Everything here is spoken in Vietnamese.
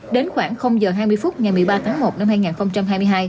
đến khoảng h hai mươi phút ngày một mươi ba tháng một năm hai nghìn hai mươi hai